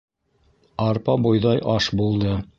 Арпа-бойҙай аш булды.